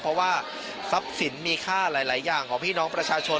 เพราะว่าทรัพย์สินมีค่าหลายอย่างของพี่น้องประชาชน